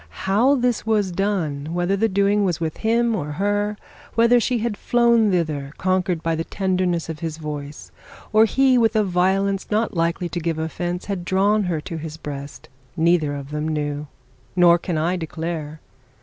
How this was done, whether the doing was with him, or her, whether she had flown thither conquered by the tenderness of his voice, or he with a violence not likely to give offence had drawn her to his breast, neither of them knew; nor can I declare.